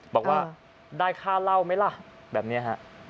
บอกว่าได้ค่าเหล้าไหมล่ะแบบนี้ฮะ